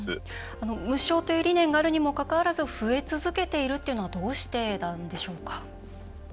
無償という理念があるにもかかわらず増え続けているっていうのはどうしてなんでしょうか？